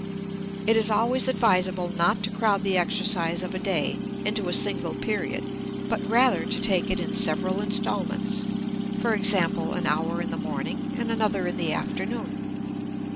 It is always advisable not to crowd the exercise of a day into a single period but rather to take it in several installments, for example, an hour in the morning, and another in the afternoon.